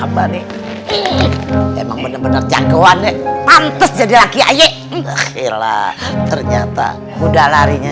bener bener cakuan pantas jadi laki laki ternyata mudah larinya